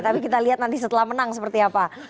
tapi kita lihat nanti setelah menang seperti apa